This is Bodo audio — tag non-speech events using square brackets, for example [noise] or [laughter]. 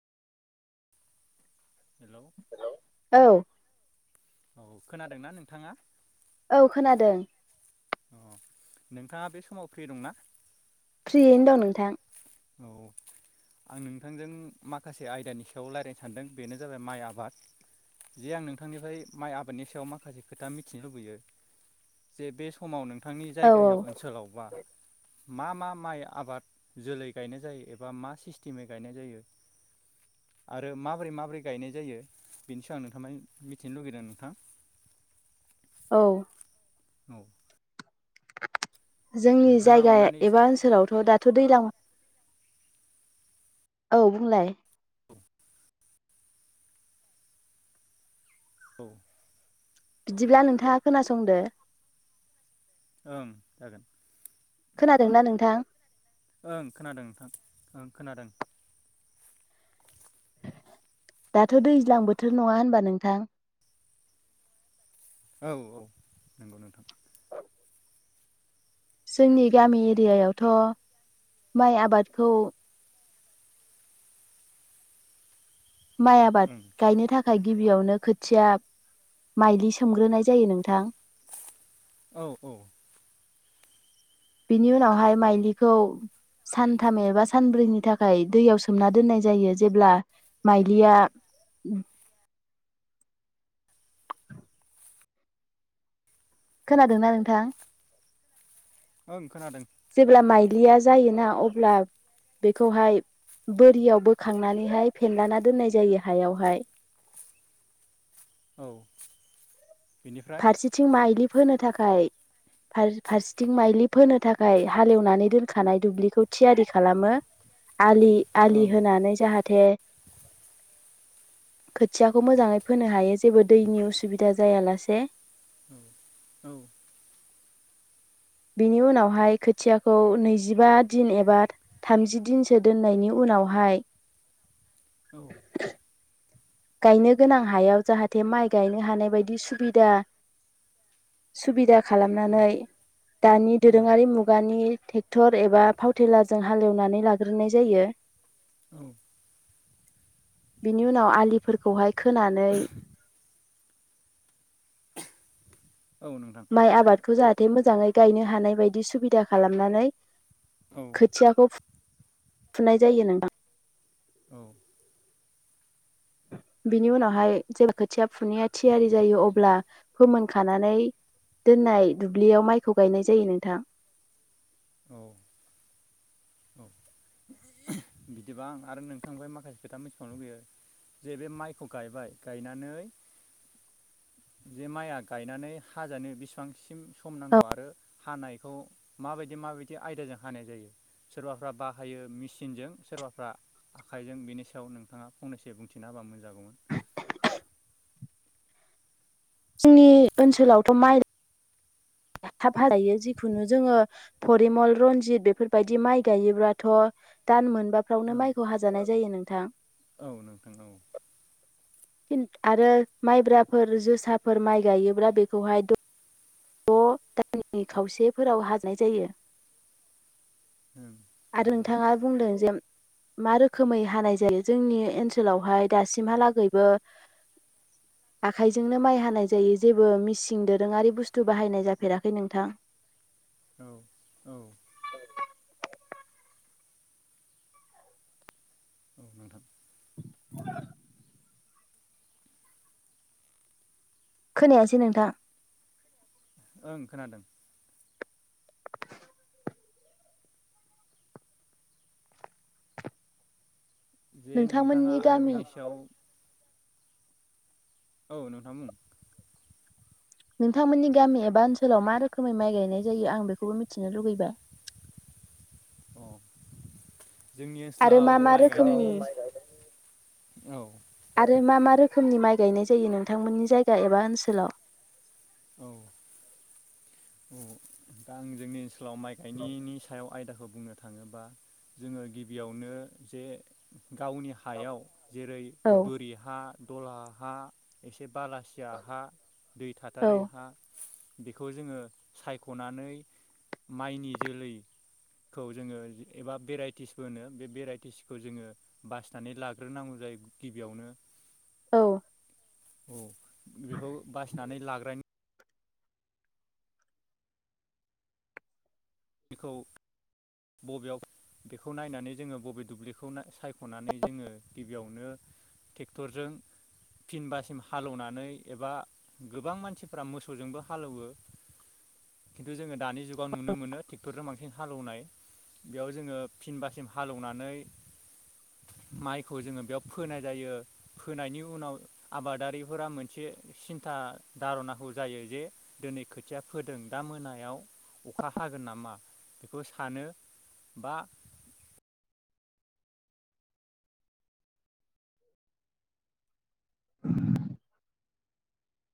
हेलौ औ औ खोनादोंना नोंथाङा? औ खोनादों। अ नोंथाङा बे समाव फ्रि दंना? फ्रियैनो दं नोंथां। औ आं नोंथांजों माखासे आयदानि सायाव रायलायनो सानदों बेनो जाबाय माइ आबाद जे आं नोंथांनिफ्राय माइ आबादनि सायाव माखासे खोथा मिथिनो लुबैयो जे बे समाव नों नोंथांनि औ जायगायाव औ ओनसोलावबा मा मा माइ आबाद जोलै गायनाय जायो एबा मा सिस्टेमै गायनाय जायो आरो माबोरै माबोरै गायनाय जायो बेनि सायाव आं नोंथां माय मिथिनो लुुबैदों नोंथां। औ औ जोंनि नोंथाङा जायगा अननानै एसे एबा ओनसोलावथ' दाथ दैलां औ बुंलाय औ औ बिदिब्ला नोंथाङा खोनासंदो ओं जागोन। खोनादोंना नोंथां? ओं खोनादों नोंथां ओं खोनादों। दाथ' दैज्लां बोथोर नङा होनबा नोंथां? औ औ नंगौ नोंथां। जोंनि गामि एरियायावथ‌' माइ आबादखौ माइ आबाद ओं गायनो थाख थाय गिबियावनो खोथिया माइलि सोमग्रोनाय जायो नोंथां। औ औ बिनि उनावहाय माइलिखौ सानथाम एबा सानब्रैनि थाखाय दैयाव सोमना दोननाय जायो जेब्ला माइलिया खोनादोंना नोंथां? ओं खोनादों जेब्ला माइ ग्लिया जायोना अब्ला बेखौहाय बोरियाव बोखांनानैहाय फेनलाना दोननाय जायो हायावहाय। औ बेनिफ्राय फारसेथिं माइलि फोनो थाखाय फार फारसेथिं माइलि फोनो थाखाय हालेवनानै दोनखानाय दुब्लिखौ थियारि खालामो। आलि आलि ओं होनानै जाहाथ थे खोथियाखौ मोजाङै फोनो हायो जेबो दैनि उसुबिदा जायालासे से औ औ बिनि उनावहाय खोथियाखौ नैजिबा दिन एबा थामजि दिनसो दोननायनि उनावहाय औ गायनो गोनां हायाव जाहाथे माइ गायनो हानाय बायदि सुबिदा सुबिदा खालामनानै दानि दोरोङारि मुगानि ट्रेक्टर एबा फावथेलाजों हालेवनानै लाग्रोनाय जायो। औ बिनि उनाव आलि फोरखौहाय खोनानै औ नोंथां माइ आबादखौ जाहाथे थे मोजाङै गायनो हानाय बायदि सुबिदा खालामनानै औ खोथियाखौ फु फुनाय जायो नों औ बिनि उनावहाय जेब्ला खोथिया फुनाया थियारि जायो अब्ला फोमोनखानानै दोननाय दुब्लियाव माइखौ गायनाय जायो नोंथां। औ औ बिदिबां आरो नोंथां माखासे खोथा मिथिखांनो लुुबैयो जे बे माइखौ गायबाय गायनानै जे माइआ गायनानै हाजानो बेसेबांसिम सम नांगौ आरो हानायखौ माबायदि माबायदि आयदाजों हानाय जायो सोरबाफ्रा बाहायो मेचिनजों सोरबाफ्रा आखाइजों बेनि सायाव नोंथाङा फंनैसो बुंथिना होबा मोनजागौमोन जोंनि ओनसोलावथ माइ थाब हायो जिखुनु जोङो फरिमल रनजित बेफोरबायदि माइ गायोब्लाथ दान मोन माबाफ्रावनो ओं माइखौ हाजानाय जायो नों था औ नोंथां औ आरो माइब्राफोर जोसाफोर माइ गायोब्ला बेखौहाय द दायनि खावसेफोराव हाजानाय जायो। ओं औ आरो नोंथाङा नोंथां बुंदों जे मा रोखोमै हानाय जायो जोंनि ओनसोलावहाय दासिमहालागैबो आखाइजोंनो माइ हानाय जायो जेबो मिसिं दोरोङारि बुस्थु थु बाहायनाय जाफेराखै नोंथां औ औ औ नोंथां [inaudible] खोनायासै नोंथां उम खोनादों जे नोंथाङा नोंथांमोननि आरो गामि बिनि सायाव औ नोंथां मुं नोंथांमोननि गामि एबा ओनसोलाव मा रोखोमै माइ गायनाय जायो आं बेखौबो मिथिनो लुगैबाय। अ जोंनि आरो मा ओनसोलाव मा माइ रोखोमनि गायनायनि औ आरो मा मा रोखोमनि माइ गायनाय जायो नोंथांमोननि जायगा एबा ओनसोलाव औ औ दा आं जोंनि माइ गायनायनि सायाव आयदाखौ बुंनो थाङोबा जोङो गिबियावनो जे गावनि हायाव जेरै औ बोरि हा। दलाहा एसे। बालासिया हा दै औ थाथारै हा। बेखौ जोङो सायखनानै माइनि जोलैखौ जोङो एबा भेरायटिस बो बे भेरायटिसखौ जोङो बासिनानै लाग्रोनांगौ जायो गिबियावनो औ। औ बेखौ बासिनानै लाग्रानि खौ बबेयाव बेखौ नायनानै जोङो बबे दुब्लिखौ सायख खनानै जोङो गिबियावनो ट्रेक्टरजों फिनबासिम हालौवनानै एबा गोबां मानसिफ्रा मोसौजोंबो हालौवो खिन्थु जोङो। दानि जुगाव नुनो मोनो। ट्रेक्टरजों बांसिन हालौवनाय बेयाव जोङो फिनबासिम हालौनानै माइखौ जोङो बेयाव फोनाय जायो फोनायनि उनाव आबादारिफोरा मोनसे सिन्था धारनाखौ जायो जे दिनै खोथिया फोदों दा मोनायाव अखा हागोन जागोन नामा बेखौ सानो बा